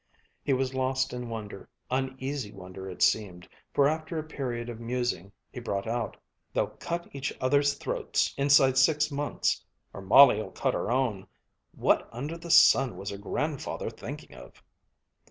He was lost in wonder, uneasy wonder it seemed, for after a period of musing he brought out: "They'll cut each other's throats inside six months. Or Molly'll cut her own. What under the sun was her grandfather thinking of?"